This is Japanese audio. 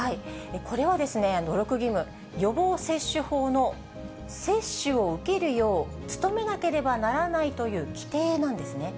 これは努力義務、予防接種法の接種を受けるよう努めなければならないという規定なんですね。